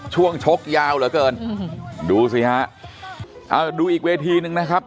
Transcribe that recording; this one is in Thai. ชกยาวเหลือเกินดูสิฮะอ่าดูอีกเวทีหนึ่งนะครับ